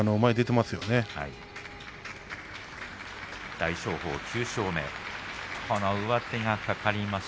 大翔鵬は９勝目です。